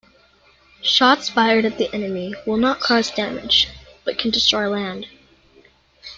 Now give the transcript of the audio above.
Shots fired at the enemy will not cause damage, but can destroy land.